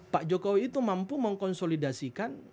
pak jokowi itu mampu mengkonsolidasikan